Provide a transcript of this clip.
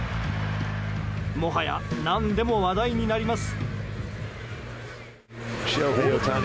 もはや、何でも話題になります。